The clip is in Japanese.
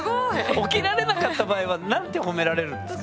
起きられなかった場合は何て褒められるんですか？